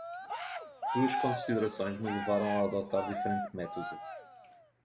duas considerações me levaram a adotar diferente método